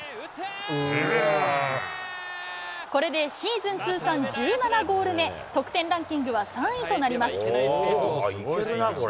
これでシーズン通算１７ゴール目、得点ランキングは３位となります。